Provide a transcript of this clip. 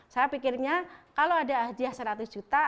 saya pikirnya kalau ada hadiah seratus juta